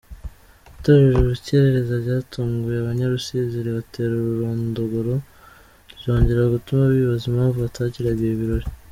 Itorero Urukerereza ryatunguye abanyarusizi ribatera ururondogoro, ryongera gutuma bibaza impamvu batakiraga ibi birori.